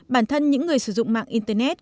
bản thân những người sử dụng mạng internet